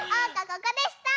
ここでした！